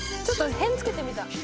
ちょっと偏付けてみた。